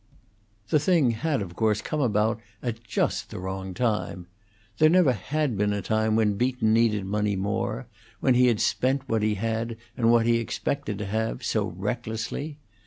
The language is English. The thing had, of course, come about just at the wrong time. There never had been a time when Beaton needed money more, when he had spent what he had and what he expected to have so recklessly.